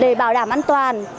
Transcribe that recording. để bảo đảm an toàn